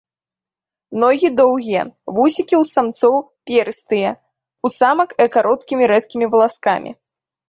Ногі доўгія, вусікі ў самцоў перыстыя, у самак э кароткімі рэдкімі валаскамі.